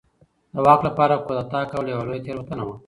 د واک لپاره کودتا کول یوه لویه تېروتنه وه.